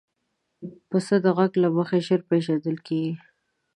پسه د غږ له مخې ژر پېژندل کېږي.